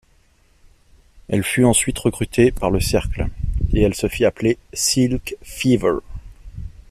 Elle fut ensuite recrutée par le Cercle, et elle se fit appeler Silk Fever.